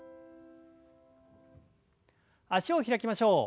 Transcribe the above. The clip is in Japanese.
脚を開きましょう。